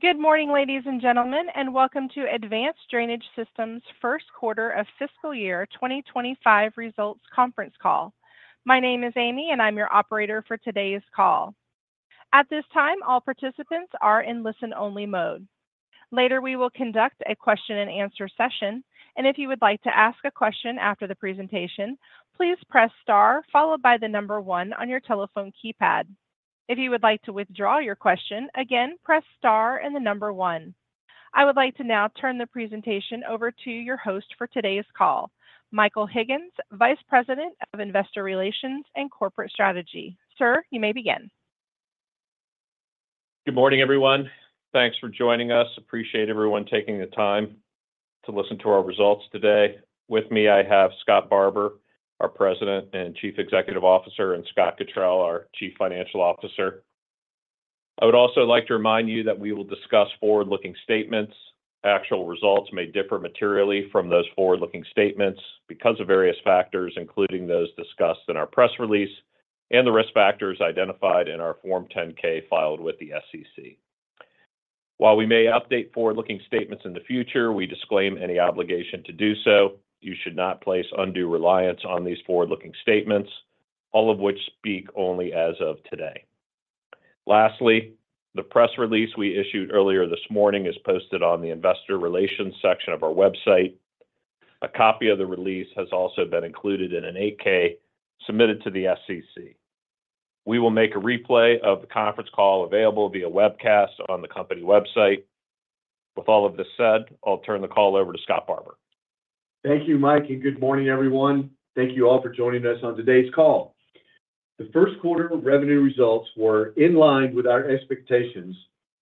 Good morning, ladies and gentlemen, and welcome to Advanced Drainage Systems' first quarter of fiscal year 2025 results conference call. My name is Amy, and I'm your operator for today's call. At this time, all participants are in listen-only mode. Later, we will conduct a question-and-answer session, and if you would like to ask a question after the presentation, please press star, followed by the number one on your telephone keypad. If you would like to withdraw your question, again, press star and the number one. I would like to now turn the presentation over to your host for today's call, Michael Higgins, Vice President of Investor Relations and Corporate Strategy. Sir, you may begin. Good morning, everyone. Thanks for joining us. Appreciate everyone taking the time to listen to our results today. With me, I have Scott Barbour, our President and Chief Executive Officer, and Scott Cottrell, our Chief Financial Officer. I would also like to remind you that we will discuss forward-looking statements. Actual results may differ materially from those forward-looking statements because of various factors, including those discussed in our press release and the risk factors identified in our Form 10-K filed with the SEC. While we may update forward-looking statements in the future, we disclaim any obligation to do so. You should not place undue reliance on these forward-looking statements, all of which speak only as of today. Lastly, the press release we issued earlier this morning is posted on the investor relations section of our website. A copy of the release has also been included in an 8-K submitted to the SEC. We will make a replay of the conference call available via webcast on the company website. With all of this said, I'll turn the call over to Scott Barbour. Thank you, Mike, and good morning, everyone. Thank you all for joining us on today's call. The first quarter of revenue results were in line with our expectations,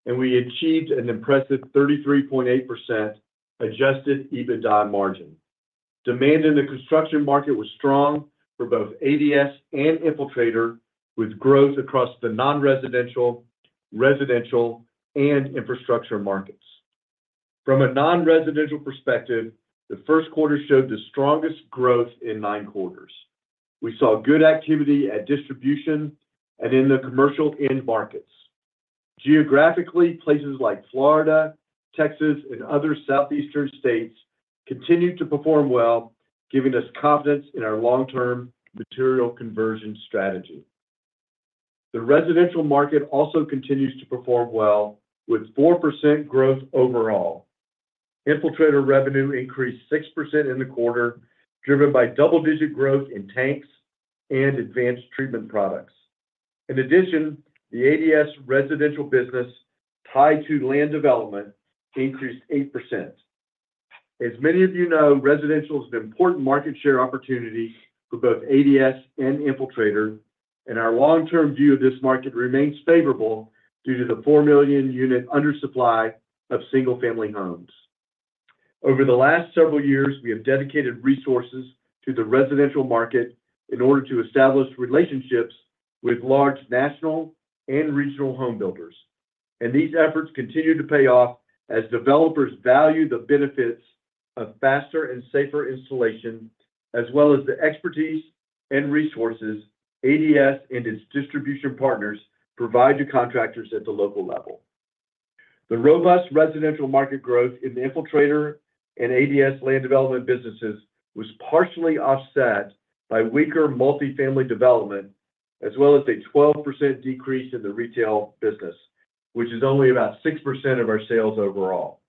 and we achieved an impressive 33.8% Adjusted EBITDA margin. Demand in the construction market was strong for both ADS and Infiltrator, with growth across the non-residential, residential, and infrastructure markets. From a non-residential perspective, the first quarter showed the strongest growth in nine quarters. We saw good activity at distribution and in the commercial end markets. Geographically, places like Florida, Texas, and other southeastern states continued to perform well, giving us confidence in our long-term material conversion strategy. The residential market also continues to perform well, with 4% growth overall. Infiltrator revenue increased 6% in the quarter, driven by double-digit growth in tanks and advanced treatment products. In addition, the ADS residential business, tied to land development, increased 8%. As many of you know, residential is an important market share opportunity for both ADS and Infiltrator, and our long-term view of this market remains favorable due to the four million unit undersupply of single-family homes. Over the last several years, we have dedicated resources to the residential market in order to establish relationships with large national and regional home builders and these efforts continue to pay off as developers value the benefits of faster and safer installation, as well as the expertise and resources ADS and its distribution partners provide to contractors at the local level. The robust residential market growth in the Infiltrator and ADS land development businesses was partially offset by weaker multifamily development, as well as a 12% decrease in the retail business, which is only about 6% of our sales overall.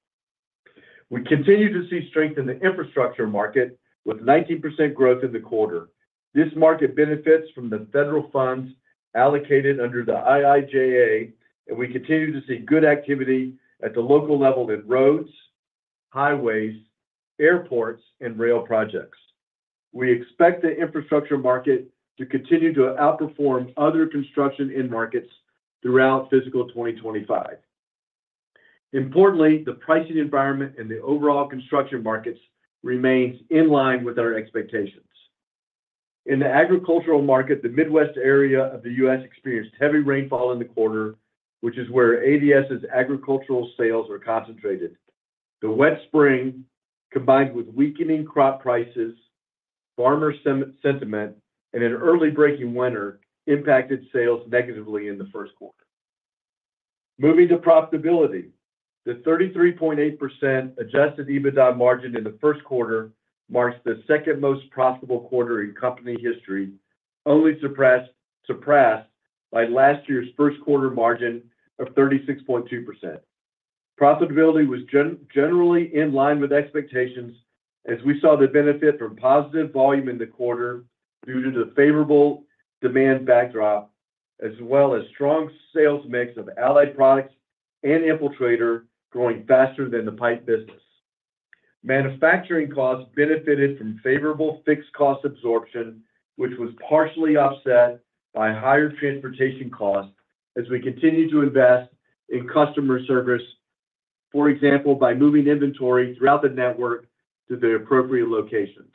We continue to see strength in the infrastructure market, with 19% growth in the quarter. This market benefits from the federal funds allocated under the IIJA, and we continue to see good activity at the local level in roads, highways, airports, and rail projects. We expect the infrastructure market to continue to outperform other construction end markets throughout fiscal 2025. Importantly, the pricing environment in the overall construction markets remains in line with our expectations. In the agricultural market, the Midwest area of the U.S. experienced heavy rainfall in the quarter, which is where ADS's agricultural sales are concentrated. The wet spring, combined with weakening crop prices, farmer sentiment, and an early breaking winter, impacted sales negatively in the first quarter. Moving to profitability, the 33.8% Adjusted EBITDA margin in the first quarter marks the second most profitable quarter in company history, only suppressed by last year's first quarter margin of 36.2%. Profitability was generally in line with expectations, as we saw the benefit from positive volume in the quarter due to the favorable demand backdrop, as well as strong sales mix of Allied Products and Infiltrator growing faster than the pipe business. Manufacturing costs benefited from favorable fixed cost absorption, which was partially offset by higher transportation costs as we continue to invest in customer service, for example, by moving inventory throughout the network to the appropriate locations.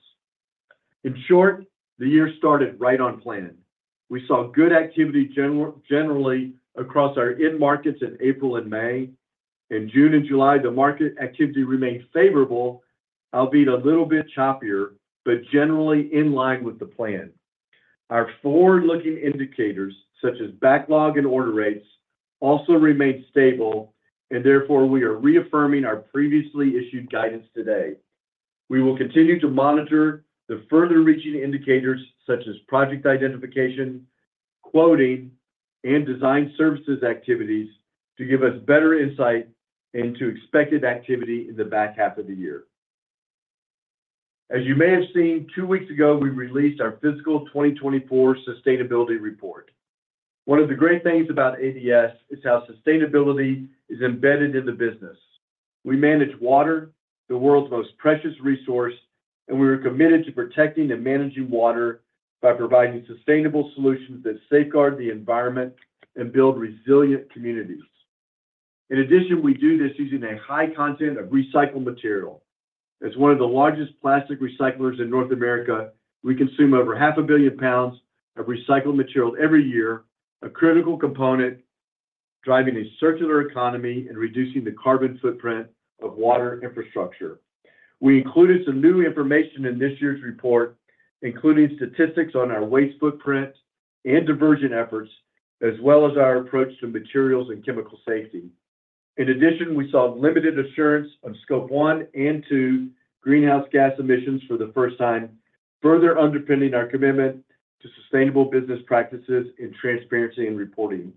In short, the year started right on planning. We saw good activity generally across our end markets in April and May. In June and July, the market activity remained favorable, albeit a little bit choppier, but generally in line with the plan. Our forward-looking indicators, such as backlog and order rates, also remained stable, and therefore, we are reaffirming our previously issued guidance today. We will continue to monitor the further reaching indicators, such as project identification, quoting, and design services activities, to give us better insight into expected activity in the back half of the year. As you may have seen, two weeks ago, we released our fiscal 2024 Sustainability Report. One of the great things about ADS is how sustainability is embedded in the business. We manage water, the world's most precious resource, and we are committed to protecting and managing water by providing sustainable solutions that safeguard the environment and build resilient communities. In addition, we do this using a high content of recycled material. As one of the largest plastic recyclers in North America, we consume over 500 million pounds of recycled material every year, a critical component driving a circular economy and reducing the carbon footprint of water infrastructure. We included some new information in this year's report, including statistics on our waste footprint and diversion efforts, as well as our approach to materials and chemical safety. In addition, we saw limited assurance of Scope 1 and 2 greenhouse gas emissions for the first time, further underpinning our commitment to sustainable business practices in transparency and reporting.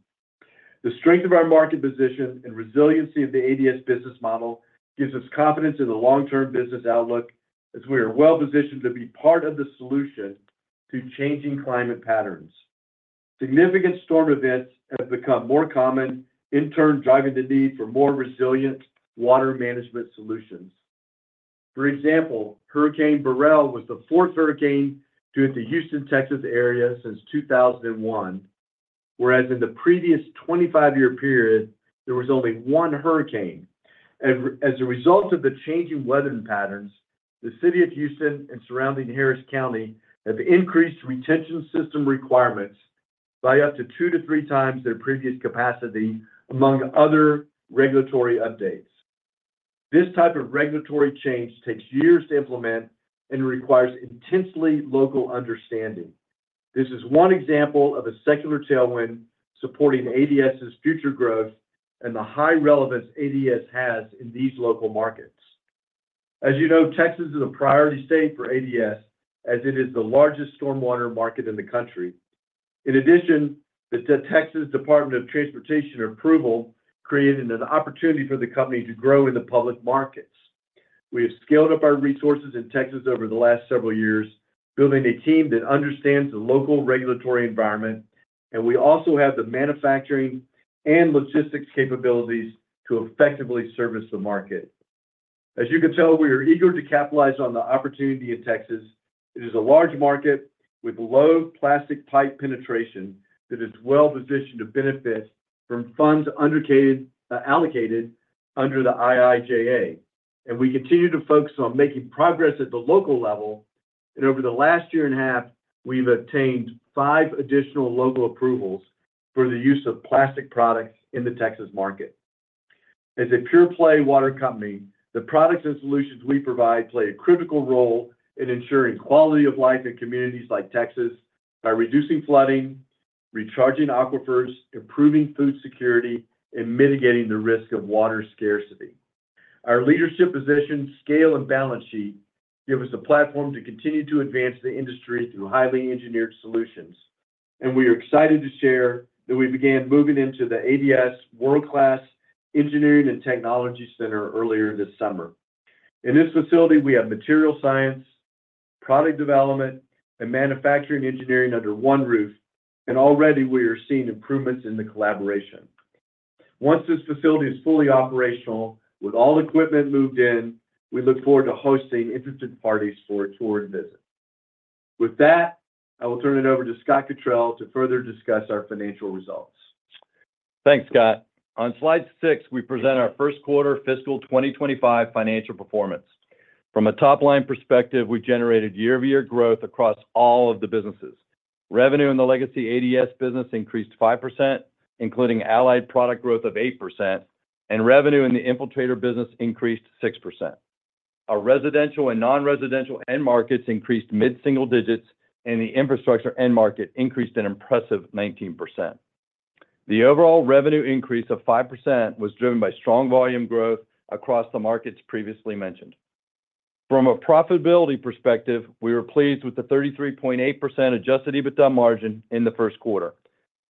The strength of our market position and resiliency of the ADS business model gives us confidence in the long-term business outlook, as we are well-positioned to be part of the solution to changing climate patterns. Significant storm events have become more common, in turn, driving the need for more resilient water management solutions. For example, Hurricane Beryl was the fourth hurricane to hit the Houston, Texas area since 2001, whereas in the previous 25-year period, there was only one hurricane. As a result of the changing weather patterns, the city of Houston and surrounding Harris County have increased retention system requirements by up to 2×-3× times their previous capacity, among other regulatory updates. This type of regulatory change takes years to implement and requires intensely local understanding. This is one example of a secular tailwind supporting ADS's future growth and the high relevance ADS has in these local markets. As you know, Texas is a priority state for ADS, as it is the largest stormwater market in the country. In addition, the Texas Department of Transportation approval created an opportunity for the company to grow in the public markets. We have scaled up our resources in Texas over the last several years, building a team that understands the local regulatory environment, and we also have the manufacturing and logistics capabilities to effectively service the market. As you can tell, we are eager to capitalize on the opportunity in Texas. It is a large market with low plastic pipe penetration that is well-positioned to benefit from funds allocated under the IIJA. We continue to focus on making progress at the local level, and over the last year and a half, we've obtained five additional local approvals for the use of plastic products in the Texas market. As a pure play water company, the products and solutions we provide play a critical role in ensuring quality of life in communities like Texas by reducing flooding, recharging aquifers, improving food security, and mitigating the risk of water scarcity. Our leadership position, scale, and balance sheet give us a platform to continue to advance the industry through highly engineered solutions, and we are excited to share that we began moving into the ADS world-class Engineering and Technology Center earlier this summer. In this facility, we have material science, product development, and manufacturing engineering under one roof, and already we are seeing improvements in the collaboration. Once this facility is fully operational with all equipment moved in, we look forward to hosting interested parties for a tour and visit. With that, I will turn it over to Scott Cottrill to further discuss our financial results. Thanks, Scott. On slide 6, we present our first quarter fiscal 2025 financial performance. From a top-line perspective, we generated year-over-year growth across all of the businesses. Revenue in the legacy ADS business increased 5%, including Allied Product growth of 8%, and revenue in the Infiltrator business increased 6%. Our residential and non-residential end markets increased mid-single digits, and the infrastructure end market increased an impressive 19%. The overall revenue increase of 5% was driven by strong volume growth across the markets previously mentioned. From a profitability perspective, we were pleased with the 33.8% Adjusted EBITDA margin in the first quarter.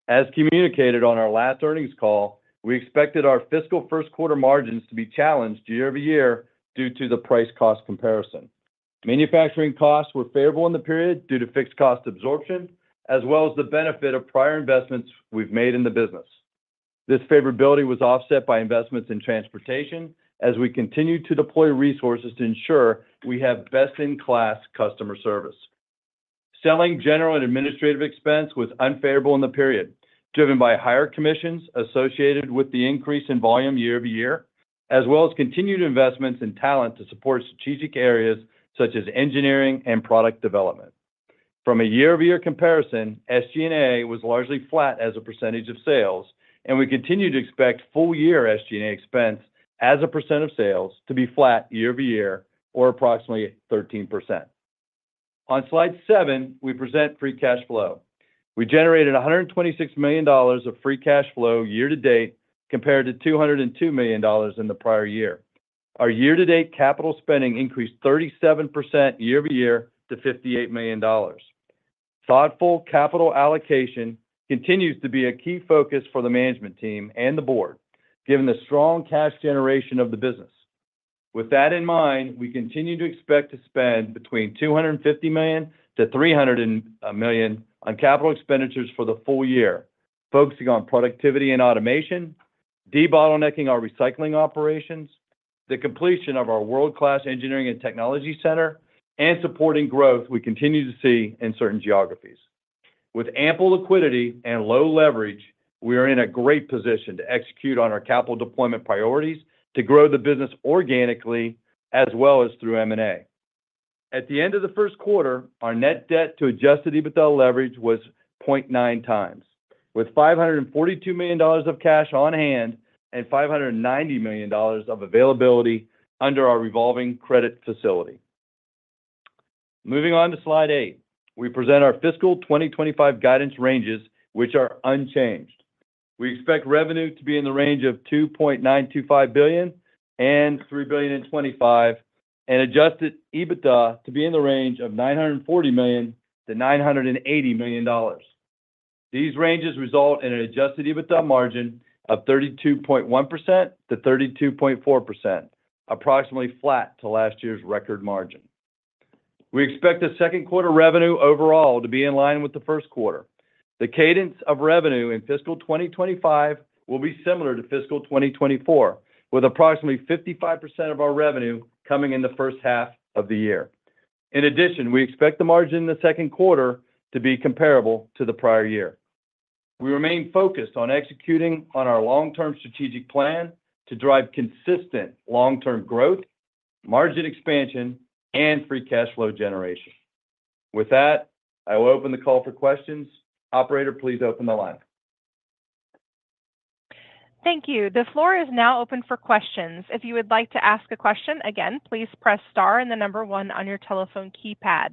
As communicated on our last earnings call, we expected our fiscal first quarter margins to be challenged year-over-year due to the price-cost comparison. Manufacturing costs were favorable in the period due to fixed cost absorption, as well as the benefit of prior investments we've made in the business. This favorability was offset by investments in transportation as we continued to deploy resources to ensure we have best-in-class customer service. Selling, general, and administrative expense was unfavorable in the period, driven by higher commissions associated with the increase in volume year-over-year, as well as continued investments in talent to support strategic areas such as engineering and product development. From a year-over-year comparison, SG&A was largely flat as a percentage of sales, and we continue to expect full year SG&A expense to as a percent of sales to be flat year-over-year, or approximately 13%. On slide seven, we present free cash flow. We generated $126 million of free cash flow year-to-date, compared to $202 million in the prior year. Our year-to-date capital spending increased 37% year-over-year to $58 million. Thoughtful capital allocation continues to be a key focus for the management team and the board, given the strong cash generation of the business. With that in mind, we continue to expect to spend between $250 million-$300 million on capital expenditures for the full year, focusing on productivity and automation, debottlenecking our recycling operations, the completion of our world-class Engineering and Technology Center, and supporting growth we continue to see in certain geographies. With ample liquidity and low leverage, we are in a great position to execute on our capital deployment priorities, to grow the business organically as well as through M&A. At the end of the first quarter, our Net Debt to Adjusted EBITDA leverage was 0.9×, with $542 million of cash on hand and $590 million of availability under our revolving credit facility. Moving on to slide eight, we present our fiscal 2025 guidance ranges, which are unchanged. We expect revenue to be in the range of $2.925 billion-$3.025 billion, and Adjusted EBITDA to be in the range of $940 million-$980 million. These ranges result in an Adjusted EBITDA margin of 32.1%-32.4%, approximately flat to last year's record margin. We expect the second quarter revenue overall to be in line with the first quarter. The cadence of revenue in fiscal 2025 will be similar to fiscal 2024, with approximately 55% of our revenue coming in the first half of the year. In addition, we expect the margin in the second quarter to be comparable to the prior year. We remain focused on executing on our long-term strategic plan to drive consistent long-term growth, margin expansion, and free cash flow generation. With that, I will open the call for questions. Operator, please open the line. Thank you. The floor is now open for questions. If you would like to ask a question, again, please press star and one on your telephone keypad.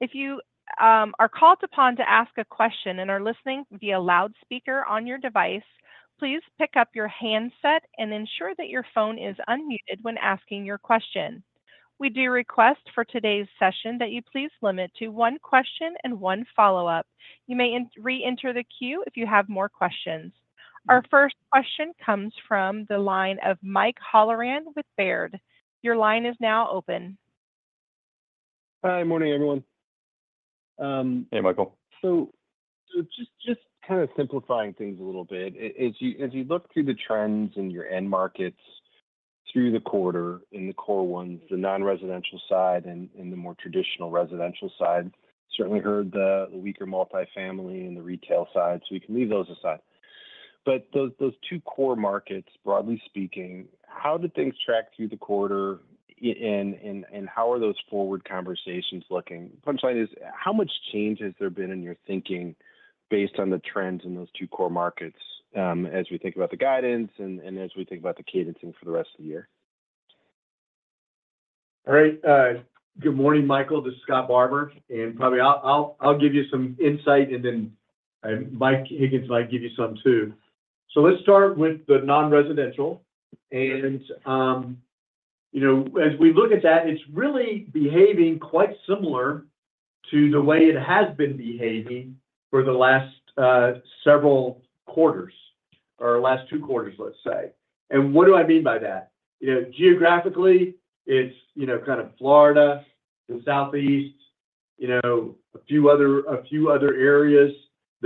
If you are called upon to ask a question and are listening via loudspeaker on your device, please pick up your handset and ensure that your phone is unmuted when asking your question. We do request for today's session that you please limit to one question and one follow-up. You may reenter the queue if you have more questions. Our first question comes from the line of Michael Halloran with Baird. Your line is now open. Hi, morning, everyone. Hey, Michael. So, just kind of simplifying things a little bit. As you look through the trends in your end markets through the quarter, in the core ones, the non-residential side and the more traditional residential side, certainly heard the weaker multifamily and the retail side, so we can leave those aside. But those two core markets, broadly speaking, how did things track through the quarter, and how are those forward conversations looking? Punchline is, how much change has there been in your thinking based on the trends in those two core markets, as we think about the guidance and as we think about the cadencing for the rest of the year? All right, good morning, Michael. This is Scott Barbour, and probably I'll give you some insight, and then, Mike Higgins might give you some, too. So let's start with the non-residential, and, you know, as we look at that, it's really behaving quite similar to the way it has been behaving for the last, several quarters, or last two quarters, let's say. What do I mean by that? You know, geographically, it's, you know, kind of Florida and Southeast, you know, a few other, a few other areas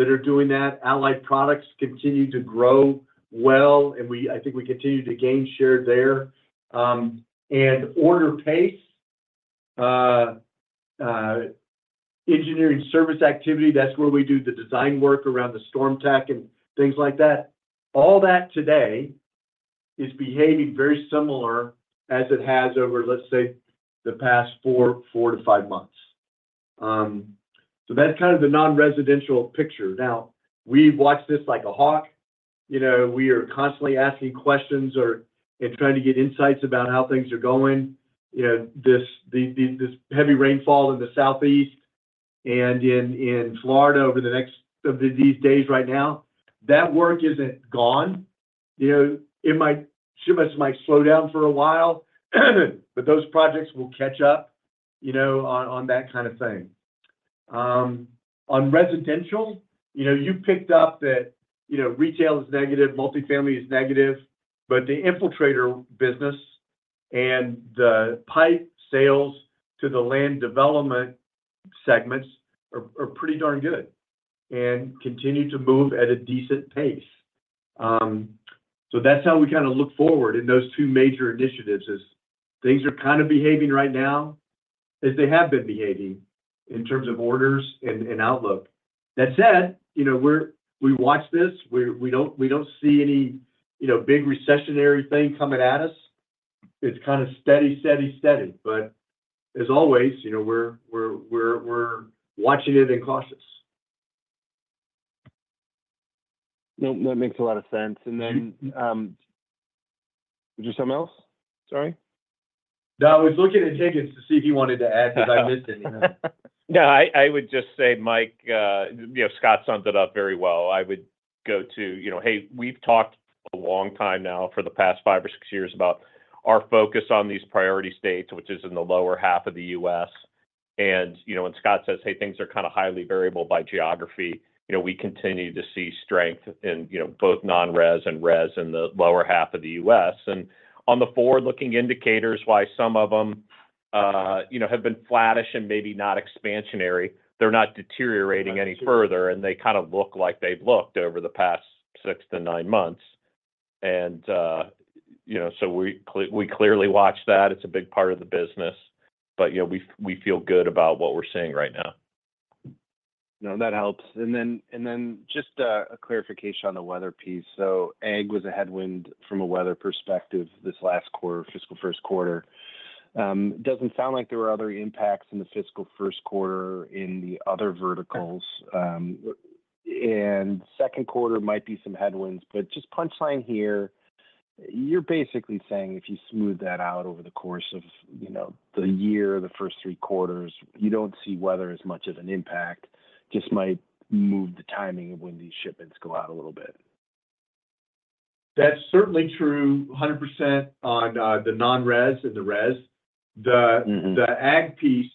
that are doing that. Allied Products continue to grow well, and I think we continue to gain share there. Order pace, engineering service activity, that's where we do the design work around the StormTech and things like that. All that today is behaving very similar as it has over, let's say, the past 4-5 months. So that's kind of the non-residential picture. Now, we watch this like a hawk. You know, we are constantly asking questions and trying to get insights about how things are going. You know, this heavy rainfall in the Southeast and in Florida over the next these days right now, that work isn't gone. You know, some of us might slow down for a while, but those projects will catch up, you know, on that kind of thing. On residential, you know, you picked up that, you know, retail is negative, multifamily is negative, but the Infiltrator business and the pipe sales to the land development segments are pretty darn good and continue to move at a decent pace. So that's how we kinda look forward in those two major initiatives, is things are kind of behaving right now as they have been behaving in terms of orders and outlook. That said, you know, we watch this, we don't see any, you know, big recessionary thing coming at us. It's kind of steady, steady, steady. But as always, you know, we're watching it and cautious. That, that makes a lot of sense. Then, was there something else? Sorry. No, I was looking at tickets to see if you wanted to add, 'cause I missed it, you know. No, I, I would just say, Mike, you know, Scott summed it up very well. I would go to, you know, hey, we've talked a long time now, for the past five or six years, about our focus on these priority states, which is in the lower half of the U.S and, you know, when Scott says, "Hey, things are kind of highly variable by geography," you know, we continue to see strength in, you know, both non-res and res in the lower half of the U.S. On the forward-looking indicators, why some of them, you know, have been flattish and maybe not expansionary, they're not deteriorating any further, and they kind of look like they've looked over the past six to nine months. You know, so we clearly watch that. It's a big part of the business, but, you know, we feel good about what we're seeing right now. No, that helps. Then just a clarification on the weather piece. So ag was a headwind from a weather perspective this last quarter, fiscal first quarter. Doesn't sound like there were other impacts in the fiscal first quarter in the other verticals. Second quarter might be some headwinds, but just punchline here, you're basically saying if you smooth that out over the course of, you know, the year or the first three quarters, you don't see weather as much of an impact, just might move the timing of when these shipments go out a little bit. That's certainly true, 100% on the non-res and the res. The ag piece,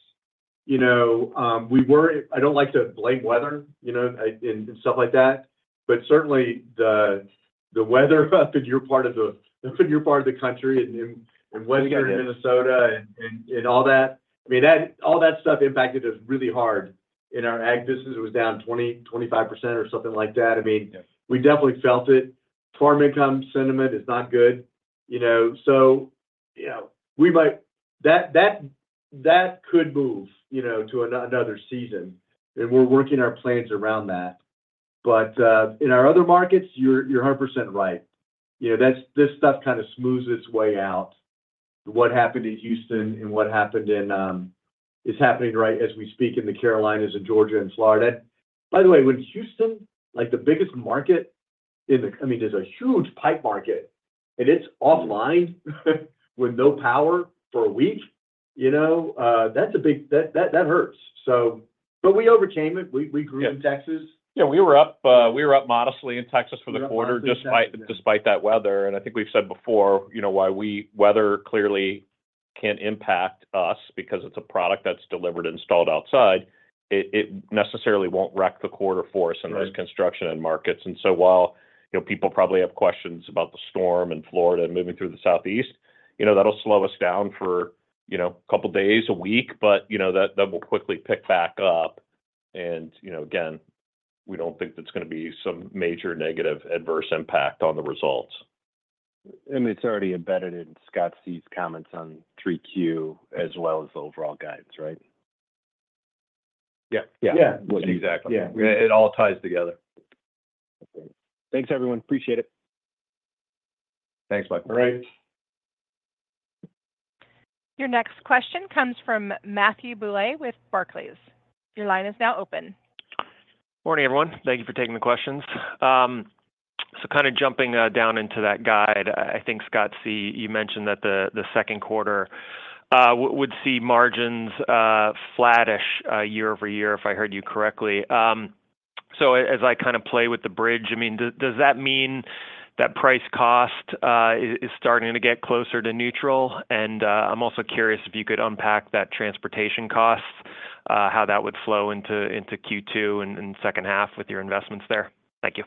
you know, we were... I don't like to blame weather, you know, and, and stuff like that, but certainly, the weather up in your part of the country, and in western Minnesota and all that, I mean, all that stuff impacted us really hard. In our ag business, it was down 20%-25% or something like that. I mean, we definitely felt it. Farm income sentiment is not good, you know, so, you know, we might. That could move, you know, to another season, and we're working our plans around that. But in our other markets, you're 100% right. You know, this stuff kind of smooths its way out. What happened in Houston and what happened in is happening right as we speak in the Carolinas and Georgia and Florida. By the way, when Houston, like, the biggest market in the—I mean, there's a huge pipe market, and it's offline with no power for a week, you know, that's a big. That hurts, so. But we overcame it. We grew in Texas. Yeah, we were up, we were up modestly in Texas for the quarter- We were up modestly. ...despite that weather, and I think we've said before, you know, while weather clearly can impact us because it's a product that's delivered and installed outside, it necessarily won't wreck the quarter for us- Right... in those construction end markets. So while, you know, people probably have questions about the storm in Florida and moving through the Southeast, you know, that'll slow us down for, you know, a couple of days, a week, but, you know, that, that will quickly pick back up, and, you know, again, we don't think there's gonna be some major negative adverse impact on the results. It's already embedded in Scott C's comments on 3Q as well as the overall guidance, right? Yeah. Yeah. Yeah. Exactly. Yeah. It all ties together. Okay. Thanks, everyone. Appreciate it. Thanks, Mike. All right. Your next question comes from Matthew Bouley with Barclays. Your line is now open. Morning, everyone. Thank you for taking the questions. So kind of jumping down into that guide, I think, Scott C, you mentioned that the second quarter would see margins flattish year-over-year, if I heard you correctly. So as I kind of play with the bridge, I mean, does that mean that price-cost is starting to get closer to neutral? I'm also curious if you could unpack that transportation cost, how that would flow into Q2 and second half with your investments there. Thank you.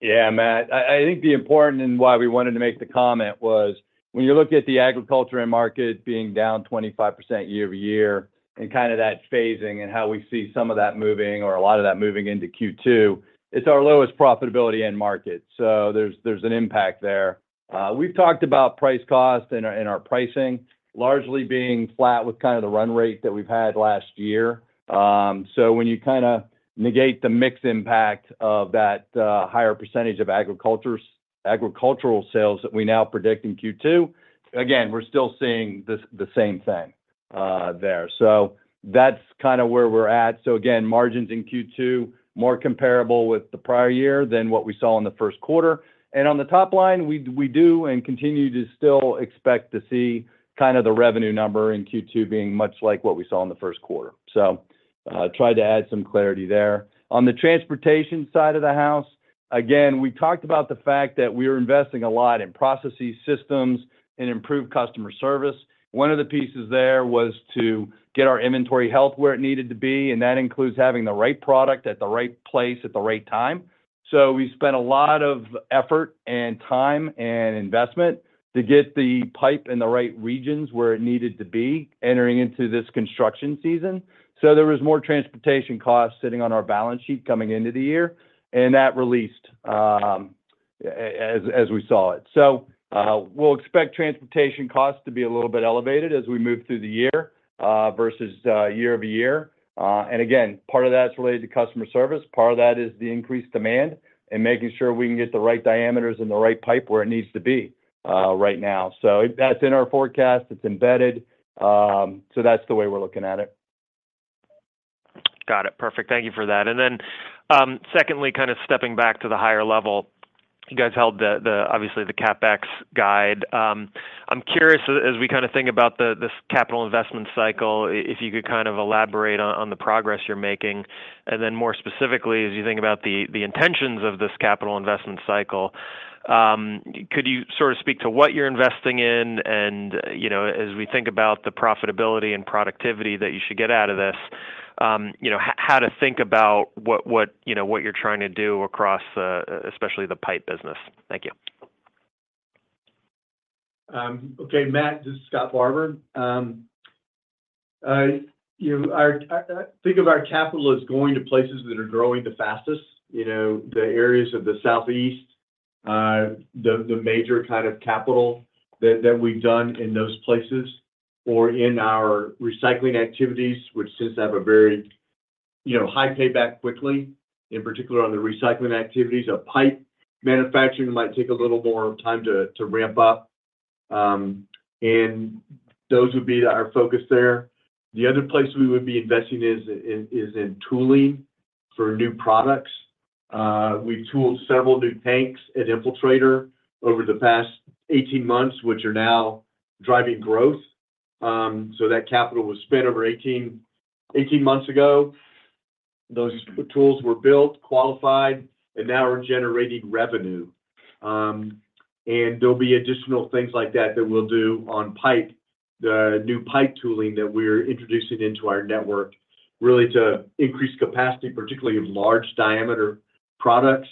Yeah, Matt, I think the important, and why we wanted to make the comment was, when you looked at the agriculture end market being down 25% year-over-year, and kind of that phasing and how we see some of that moving or a lot of that moving into Q2, it's our lowest profitability end market. So there's, there's an impact there. We've talked about price-cost and our, and our pricing largely being flat with kind of the run rate that we've had last year. So when you kind of negate the mix impact of that, higher percentage of agricultural sales that we now predict in Q2, again, we're still seeing the, the same thing, there. So that's kind of where we're at. So again, margins in Q2, more comparable with the prior year than what we saw in the first quarter. On the top line, we, we do and continue to still expect to see kind of the revenue number in Q2 being much like what we saw in the first quarter. So, tried to add some clarity there. On the transportation side of the house, again, we talked about the fact that we are investing a lot in processes, systems, and improved customer service. One of the pieces there was to get our inventory health where it needed to be, and that includes having the right product at the right place at the right time. So we spent a lot of effort and time and investment to get the pipe in the right regions where it needed to be entering into this construction season. So there was more transportation costs sitting on our balance sheet coming into the year, and that released, as we saw it. So, we'll expect transportation costs to be a little bit elevated as we move through the year, versus year-over-year. Again, part of that is related to customer service, part of that is the increased demand, and making sure we can get the right diameters and the right pipe where it needs to be, right now. So that's in our forecast. It's embedded. So that's the way we're looking at it. Got it. Perfect. Thank you for that. Then, secondly, kind of stepping back to the higher level, you guys held the CapEx guide, obviously. I'm curious, as we kind of think about this capital investment cycle, if you could kind of elaborate on the progress you're making. Then more specifically, as you think about the intentions of this capital investment cycle, could you sort of speak to what you're investing in and, you know, as we think about the profitability and productivity that you should get out of this, you know, how to think about what you're trying to do across, especially the pipe business? Thank you. Okay, Matt, this is Scott Barbour. You know, I think of our capital as going to places that are growing the fastest. You know, the areas of the Southeast, the major kind of capital that we've done in those places or in our recycling activities, which tends to have a very, you know, high payback quickly, in particular on the recycling activities. Our pipe manufacturing might take a little more time to ramp up and those would be our focus there. The other place we would be investing is in tooling for new products. We've tooled several new tanks at Infiltrator over the past 18 months, which are now driving growth. So that capital was spent over 18 months ago. Those tools were built, qualified, and now are generating revenue. There'll be additional things like that that we'll do on pipe. The new pipe tooling that we're introducing into our network, really to increase capacity, particularly of large diameter products.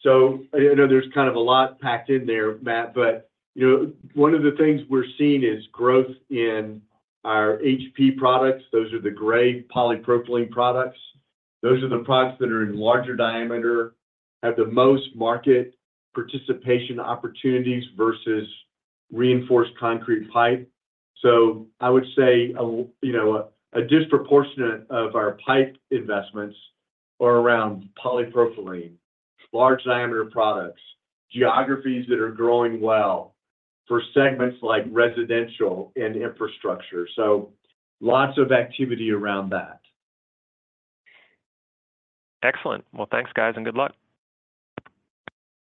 So I know there's kind of a lot packed in there, Matt, but, you know, one of the things we're seeing is growth in our HP products. Those are the gray polypropylene products. Those are the products that are in larger diameter, have the most market participation opportunities versus reinforced concrete pipe. So I would say, you know, a disproportionate of our pipe investments are around polypropylene, large diameter products, geographies that are growing well for segments like residential and infrastructure. So lots of activity around that. Excellent. Well, thanks, guys, and good luck.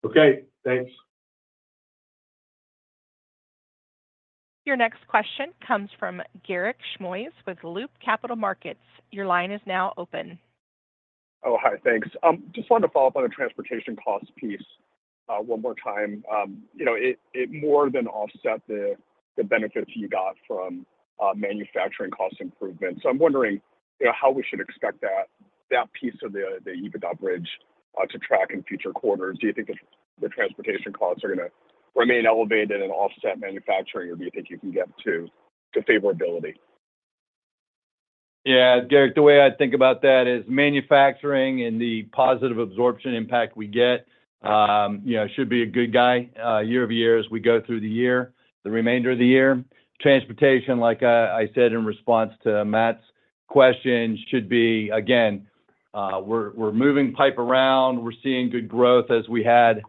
Okay, thanks. Your next question comes from Garik Shmois with Loop Capital Markets. Your line is now open. Oh, hi. Thanks. Just wanted to follow up on the transportation cost piece, one more time. You know, it, it more than offset the, the benefits you got from, manufacturing cost improvements. So I'm wondering, you know, how we should expect that, that piece of the, the EBITDA bridge, to track in future quarters. Do you think the, the transportation costs are gonna remain elevated and offset manufacturing, or do you think you can get to favorability? Yeah, Garik, the way I think about that is manufacturing and the positive absorption impact we get, you know, should be a good guide year-over-year as we go through the year, the remainder of the year. Transportation, like, I said in response to Matt's question, should be, again, we're, we're moving pipe around. We're seeing good growth as we had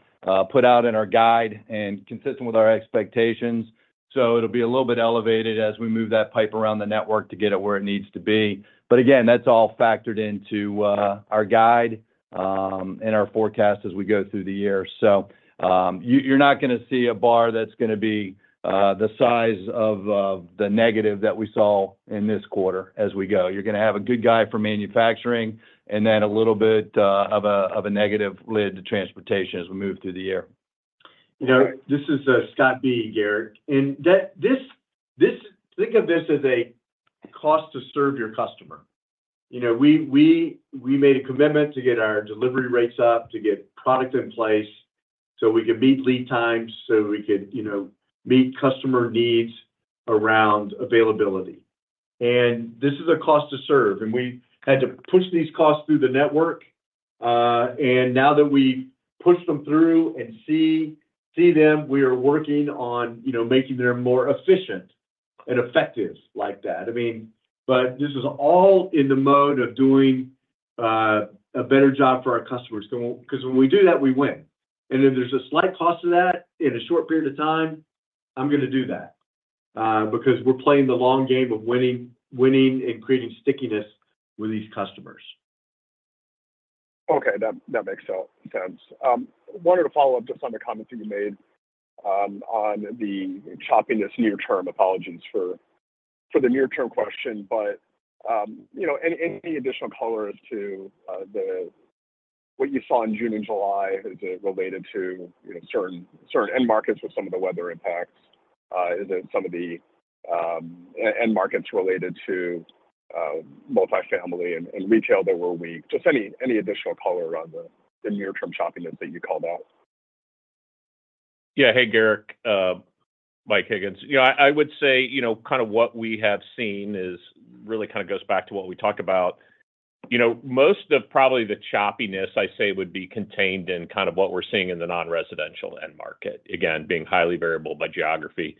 put out in our guide and consistent with our expectations. So it'll be a little bit elevated as we move that pipe around the network to get it where it needs to be. But again, that's all factored into our guide and our forecast as we go through the year. So, you're not gonna see a bar that's gonna be the size of the negative that we saw in this quarter as we go. You're gonna have a good guy for manufacturing and then a little bit of a negative hit to transportation as we move through the year. You know, this is Scott B., Garik. And this—think of this as a cost to serve your customer. You know, we made a commitment to get our delivery rates up, to get product in place, so we could meet lead times, so we could, you know, meet customer needs around availability, and this is a cost to serve, and we had to push these costs through the network. Now that we've pushed them through and see them, we are working on, you know, making them more efficient and effective like that. I mean, but this is all in the mode of doing a better job for our customers because when we do that, we win. If there's a slight cost to that in a short period of time, I'm gonna do that, because we're playing the long game of winning, winning and creating stickiness with these customers. Okay, that makes sense. Wanted to follow up just on the comments you made on the choppiness near term. Apologies for the near-term question, but you know, any additional color as to what you saw in June and July related to you know, certain end markets with some of the weather impacts, some of the end markets related to multifamily and retail that were weak? Just any additional color around the near-term choppiness that you called out. Yeah. Hey, Garik, Mike Higgins. You know, I would say, you know, kind of what we have seen is really kind of goes back to what we talked about. You know, most of probably the choppiness I say, would be contained in kind of what we're seeing in the non-residential end market. Again, being highly variable by geography.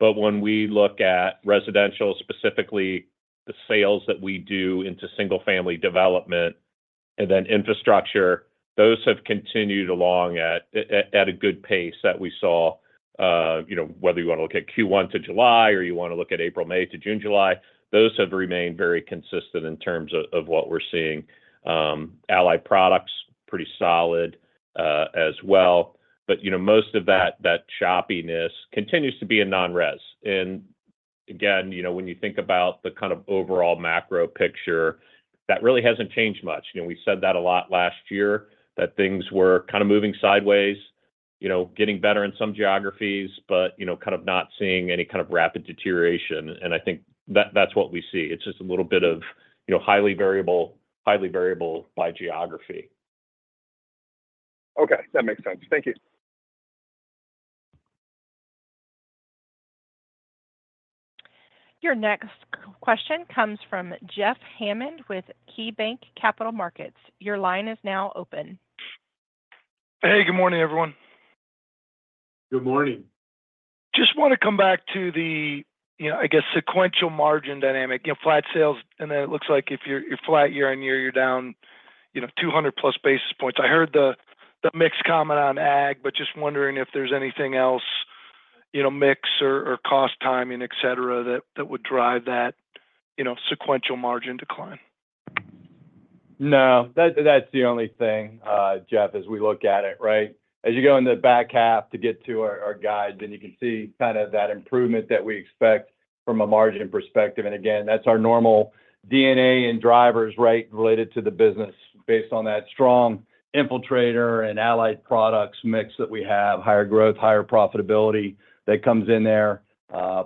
But when we look at residential, specifically the sales that we do into single-family development and then infrastructure, those have continued along at a good pace that we saw. You know, whether you wanna look at Q1 to July, or you wanna look at April, May to June, July, those have remained very consistent in terms of what we're seeing. Allied Products, pretty solid, as well. But, you know, most of that choppiness continues to be in non-res. Again, you know, when you think about the kind of overall macro picture, that really hasn't changed much. You know, we said that a lot last year, that things were kinda moving sideways, you know, getting better in some geographies, but, you know, kind of not seeing any kind of rapid deterioration. I think that's what we see. It's just a little bit of, you know, highly variable by geography. Okay, that makes sense. Thank you. Your next question comes from Jeff Hammond with KeyBanc Capital Markets. Your line is now open. Hey, good morning, everyone. Good morning. Just wanna come back to the, you know, I guess, sequential margin dynamic. You know, flat sales, and then it looks like if you're, you're flat year-over-year, you're down, you know, 200+ basis points. I heard the, the mix comment on ag, but just wondering if there's anything else, you know, mix or, or cost timing, et cetera, that, that would drive that, you know, sequential margin decline? No, that, that's the only thing, Jeff, as we look at it, right? As you go into the back half to get to our guide, then you can see kind of that improvement that we expect from a margin perspective. Again, that's our normal DNA and drivers, right, related to the business, based on that strong Infiltrator and Allied Products mix that we have, higher growth, higher profitability that comes in there.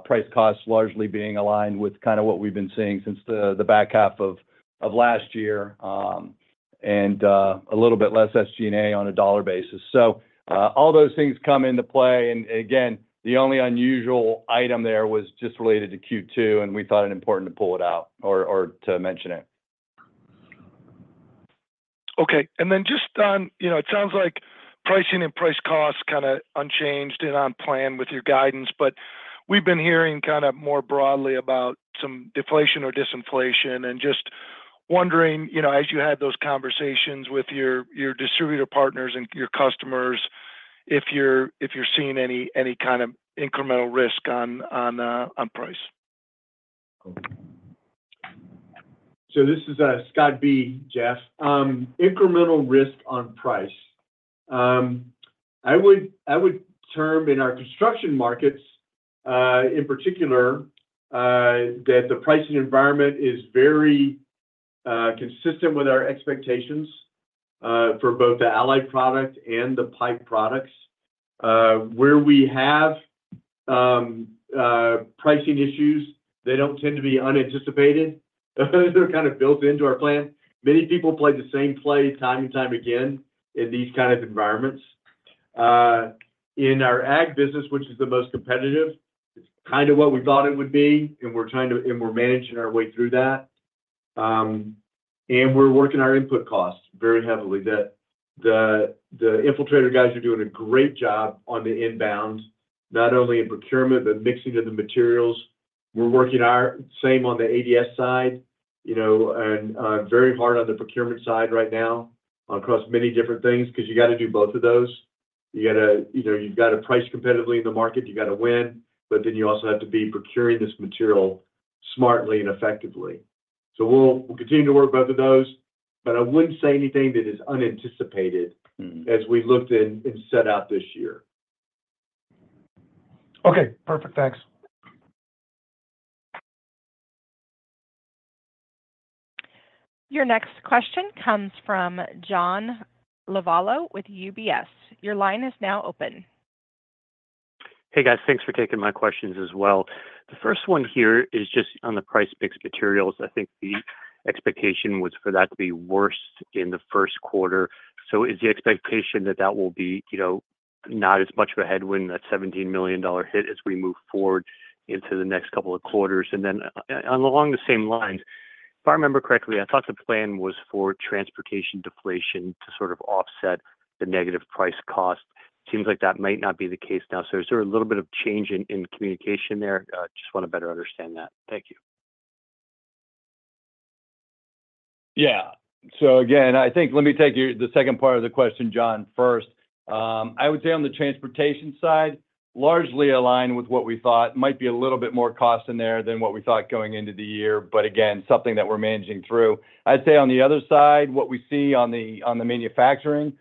Price-costs largely being aligned with kinda what we've been seeing since the back half of last year, and a little bit less SG&A on a dollar basis. So, all those things come into play, and again, the only unusual item there was just related to Q2, and we thought it important to pull it out or to mention it. Okay. Then just on, you know, it sounds like pricing and price-costs kinda unchanged and on plan with your guidance, but we've been hearing kinda more broadly about some deflation or disinflation and just wondering, you know, as you had those conversations with your distributor partners and your customers, if you're seeing any kind of incremental risk on price? So this is, Scott B., Jeff. Incremental risk on price. I would, I would term in our construction markets, in particular, that the pricing environment is very, consistent with our expectations, for both the Allied Product and the pipe products. Where we have, pricing issues, they don't tend to be unanticipated. They're kind of built into our plan. Many people play the same play time and time again in these kind of environments. In our ag business, which is the most competitive, it's kind of what we thought it would be, and we're trying to-- and we're managing our way through that and we're working our input costs very heavily. The Infiltrator guys are doing a great job on the inbound, not only in procurement, but mixing of the materials. We're working the same on the ADS side, you know, and very hard on the procurement side right now across many different things, 'cause you gotta do both of those. You gotta... You know, you've gotta price competitively in the market, you gotta win, but then you also have to be procuring this material smartly and effectively. So we'll, we'll continue to work both of those, but I wouldn't say anything that is unanticipated-as we looked at and set out this year. Okay. Perfect. Thanks. Your next question comes from John Lovallo with UBS. Your line is now open. Hey, guys. Thanks for taking my questions as well. The first one here is just on the price mix materials. I think the expectation was for that to be worse in the first quarter. So is the expectation that that will be, you know, not as much of a headwind, that $17 million hit as we move forward into the next couple of quarters? Then, along the same lines, if I remember correctly, I thought the plan was for transportation deflation to sort of offset the negative price-cost. Seems like that might not be the case now. So is there a little bit of change in communication there? Just wanna better understand that. Thank you. Yeah. So again, I think let me take your the second part of the question, John, first. I would say on the transportation side, largely aligned with what we thought might be a little bit more cost in there than what we thought going into the year, but again, something that we're managing through. I'd say on the other side, what we see on the, on the manufacturing,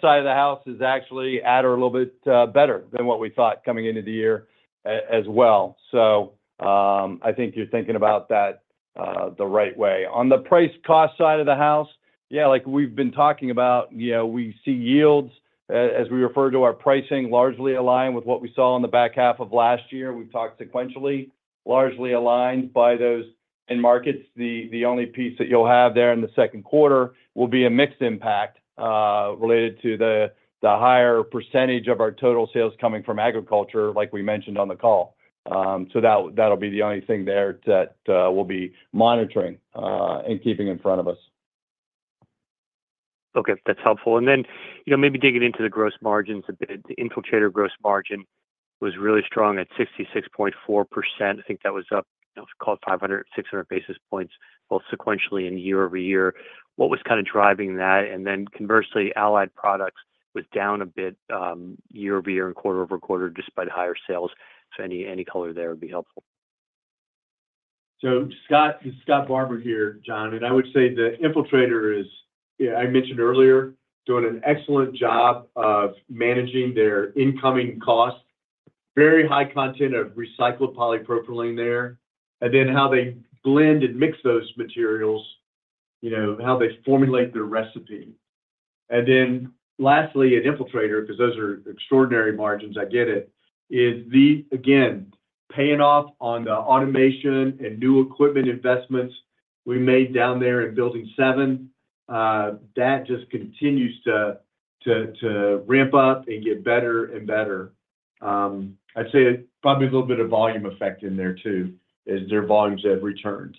side of the house is actually at or a little bit better than what we thought coming into the year as well. So, I think you're thinking about that the right way. On the price-cost side of the house, yeah, like we've been talking about, you know, we see yields as we refer to our pricing, largely aligned with what we saw in the back half of last year. We've talked sequentially, largely aligned by those end markets. The only piece that you'll have there in the second quarter will be a mix impact related to the higher percentage of our total sales coming from agriculture, like we mentioned on the call. So that, that'll be the only thing there that we'll be monitoring and keeping in front of us. Okay, that's helpful. Then, you know, maybe digging into the gross margins a bit. The Infiltrator gross margin was really strong at 66.4%. I think that was up, you know, call it 500-600 basis points, both sequentially and year-over-year. What was kind of driving that? Then conversely, Allied Products was down a bit, year-over-year and quarter-over-quarter, despite higher sales. So any color there would be helpful. So Scott, it's Scott Barbour here, John, and I would say the Infiltrator is, yeah, I mentioned earlier, doing an excellent job of managing their incoming costs. Very high content of recycled polypropylene there, and then how they blend and mix those materials, you know, how they formulate their recipe. Then lastly, at Infiltrator, 'cause those are extraordinary margins, I get it, is the, again, paying off on the automation and new equipment investments we made down there in Building 7, that just continues to ramp up and get better and better. I'd say probably a little bit of volume effect in there, too, as their volumes have returned.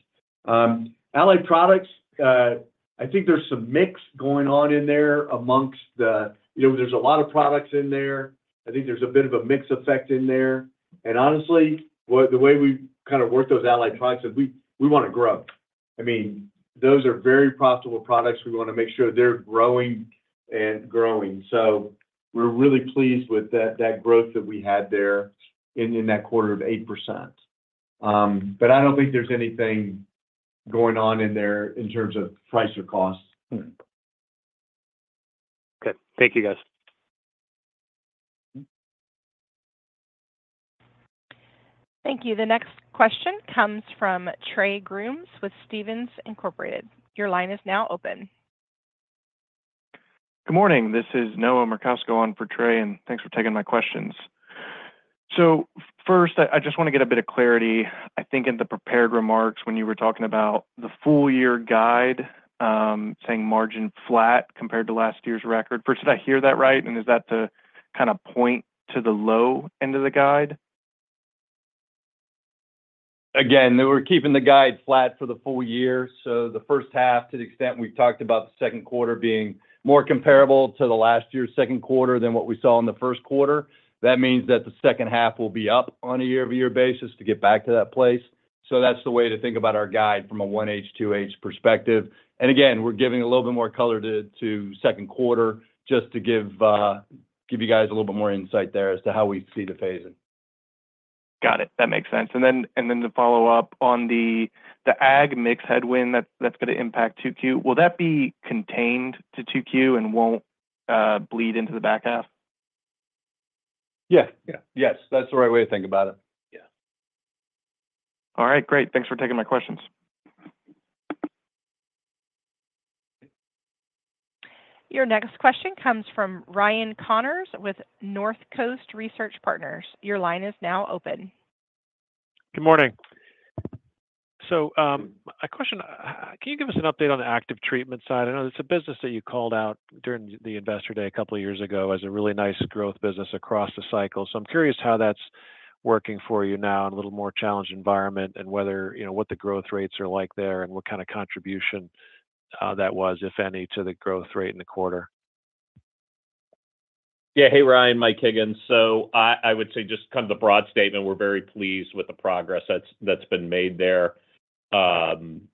Allied Products, I think there's some mix going on in there amongst the, you know, there's a lot of products in there. I think there's a bit of a mix effect in there. Honestly, the way we kind of work those Allied Products is we wanna grow. I mean, those are very profitable products. We wanna make sure they're growing and growing. So we're really pleased with that growth that we had there in that quarter of 8%, but I don't think there's anything going on in there in terms of price or cost. Okay. Thank you, guys. Thank you. The next question comes from Trey Grooms with Stephens Inc. Your line is now open. Good morning. This is Noah Merkousko on for Trey, and thanks for taking my questions. So first, I just wanna get a bit of clarity. I think in the prepared remarks when you were talking about the full year guide, saying margin flat compared to last year's record. First, did I hear that right, and is that to kind of point to the low end of the guide? Again, we're keeping the guide flat for the full year. So the first half, to the extent we've talked about the second quarter being more comparable to the last year's second quarter than what we saw in the first quarter, that means that the second half will be up on a year-over-year basis to get back to that place. So that's the way to think about our guide from a 1H, 2H perspective. Again, we're giving a little bit more color to second quarter, just to give, give you guys a little bit more insight there as to how we see the phasing. Got it. That makes sense. Then to follow up on the ag mix headwind that's gonna impact 2Q. Will that be contained to 2Q and won't bleed into the back half? Yeah. Yeah. Yes, that's the right way to think about it. Yeah. All right, great. Thanks for taking my questions. Your next question comes from Ryan Connors with Northcoast Research Partners. Your line is now open. Good morning. So, a question, can you give us an update on the active treatment side? I know it's a business that you called out during the investor day a couple of years ago as a really nice growth business across the cycle. So I'm curious how that's working for you now in a little more challenged environment and whether, you know, what the growth rates are like there and what kind of contribution, that was, if any, to the growth rate in the quarter. Yeah. Hey, Ryan, Mike Higgins. So I, I would say just kind of the broad statement, we're very pleased with the progress that's been made there.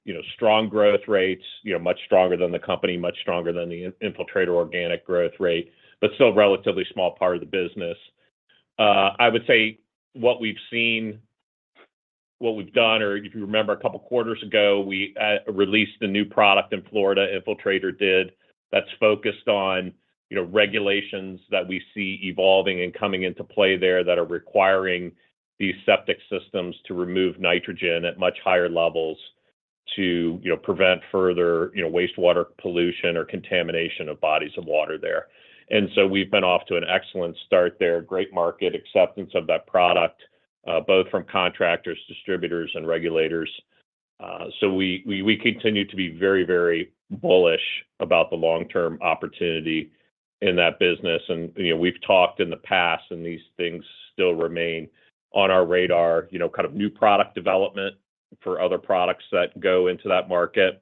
You know, strong growth rates, you know, much stronger than the company, much stronger than the Infiltrator organic growth rate, but still a relatively small part of the business. I would say what we've seen, what we've done, or if you remember a couple quarters ago, we released a new product in Florida, Infiltrator did, that's focused on, you know, regulations that we see evolving and coming into play there that are requiring these septic systems to remove nitrogen at much higher levels to, you know, prevent further, you know, wastewater pollution or contamination of bodies of water there and so we've been off to an excellent start there. Great market acceptance of that product, both from contractors, distributors, and regulators. So we continue to be very, very bullish about the long-term opportunity in that business and, you know, we've talked in the past, and these things still remain on our radar, you know, kind of new product development for other products that go into that market.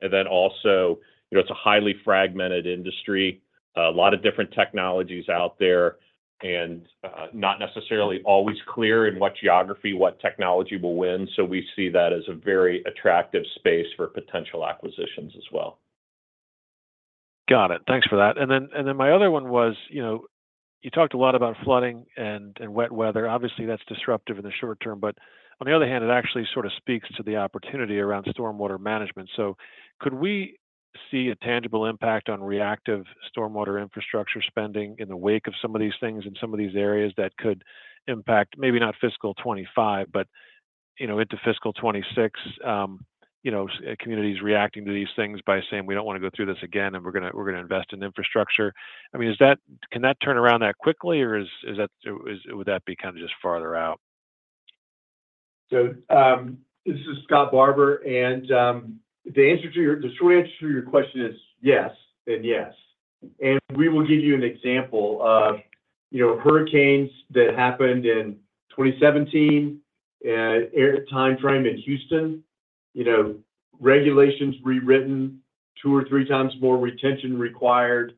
Then also, you know, it's a highly fragmented industry, a lot of different technologies out there, and not necessarily always clear in what geography, what technology will win. So we see that as a very attractive space for potential acquisitions as well. Got it. Thanks for that. Then my other one was, you know, you talked a lot about flooding and wet weather. Obviously, that's disruptive in the short term, but on the other hand, it actually sort of speaks to the opportunity around stormwater management. So could we see a tangible impact on reactive stormwater infrastructure spending in the wake of some of these things in some of these areas that could impact, maybe not fiscal 2025, but, you know, into fiscal 2026, you know, communities reacting to these things by saying, "We don't wanna go through this again, and we're gonna invest in infrastructure?" I mean, is that-can that turn around that quickly, or is that, would that be kind of just farther out? So, this is Scott Barbour, and the short answer to your question is yes and yes, and we will give you an example of, you know, hurricanes that happened in 2017 year timeframe in Houston. You know, regulations rewritten 2× or 3×, more retention required,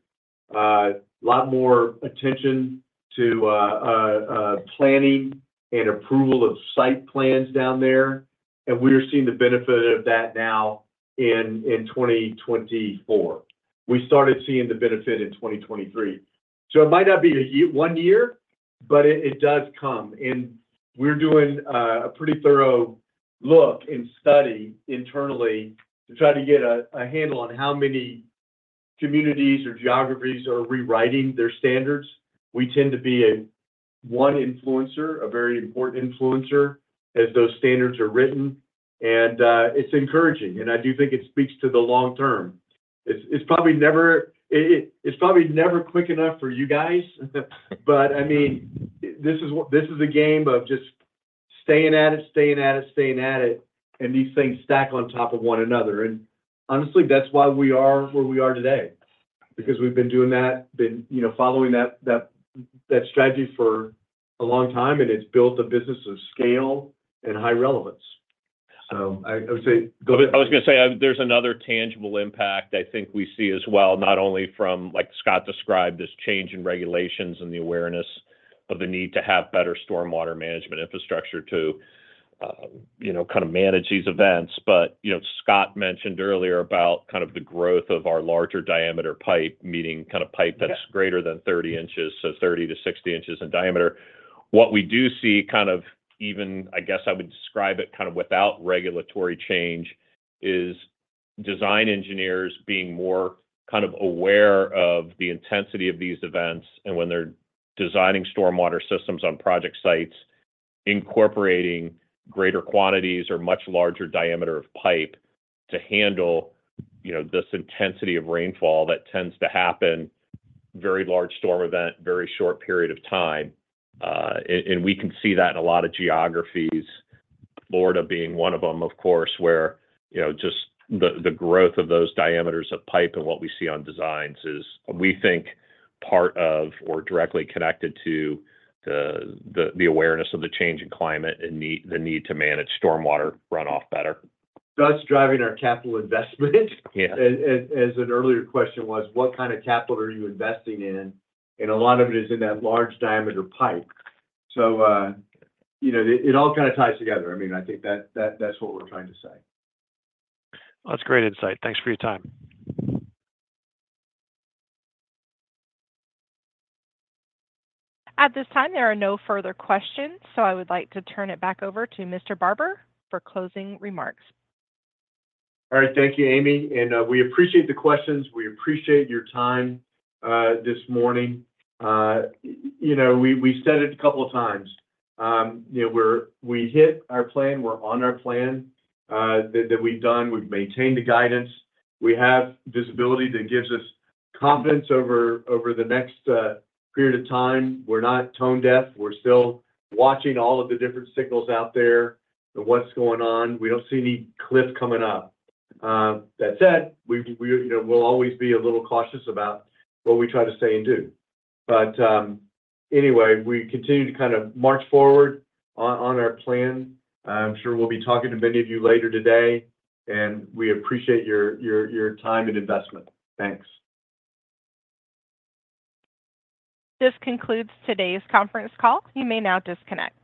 a lot more attention to planning and approval of site plans down there, and we are seeing the benefit of that now in 2024. We started seeing the benefit in 2023. So it might not be one year, but it does come, and we're doing a pretty thorough look and study internally to try to get a handle on how many communities or geographies are rewriting their standards. We tend to be a one influencer, a very important influencer, as those standards are written, and it's encouraging, and I do think it speaks to the long term. It's probably never quick enough for you guys, but I mean, this is a game of just staying at it, staying at it, staying at it, and these things stack on top of one another. Honestly, that's why we are where we are today because we've been doing that, you know, following that strategy for a long time, and it's built a business of scale and high relevance. So I would say go ahead. I was gonna say, there's another tangible impact I think we see as well, not only from, like Scott described, this change in regulations and the awareness of the need to have better stormwater management infrastructure to, you know, kind of manage these events. But, you know, Scott mentioned earlier about kind of the growth of our larger diameter pipe, meaning kind of pipe that's greater than 30 inches, so 30-60 inches in diameter. What we do see, kind of even, I guess I would describe it, kind of without regulatory change, is design engineers being more kind of aware of the intensity of these events and when they're designing stormwater systems on project sites, incorporating greater quantities or much larger diameter of pipe to handle, you know, this intensity of rainfall, that tends to happen, very large storm event, very short period of time and we can see that in a lot of geographies. Florida being one of them, of course, where, you know, just the, the growth of those diameters of pipe and what we see on designs is, we think, part of or directly connected to the, the, the awareness of the change in climate and need, the need to manage stormwater runoff better. That's driving our capital investment. Yeah. As an earlier question was, what kind of capital are you investing in? A lot of it is in that large diameter pipe. So, you know, it all kind of ties together. I mean, I think that's what we're trying to say. Well, that's great insight. Thanks for your time. At this time, there are no further questions, so I would like to turn it back over to Mr. Barbour for closing remarks. All right. Thank you, Amy, and we appreciate the questions. We appreciate your time this morning. You know, we said it a couple of times. You know, we hit our plan. We're on our plan that we've done. We've maintained the guidance. We have visibility that gives us confidence over the next period of time. We're not tone deaf. We're still watching all of the different signals out there and what's going on. We don't see any cliffs coming up. That said, you know, we'll always be a little cautious about what we try to say and do. But anyway, we continue to kind of march forward on our plan. I'm sure we'll be talking to many of you later today, and we appreciate your time and investment. Thanks. This concludes today's conference call. You may now disconnect.